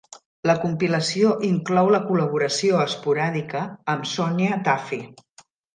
La compilació inclou la col·laboració esporàdica amb Sonya Taaffe.